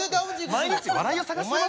毎日笑いを探してます。